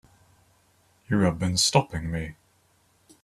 You have been stopping me.